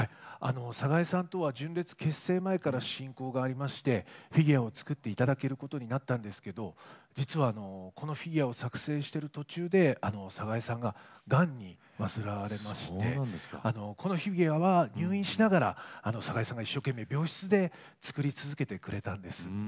寒河江さんとは純烈結成前から親交がありましてフィギュアを作っていただけることになったんですけど実はこのフィギュアを作成してる途中で寒河江さんががんに患われましてこのフィギュアは入院しながら寒河江さんが一生懸命病室で作り続けてくれたんです。